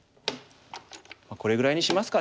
これぐらいにしますかね。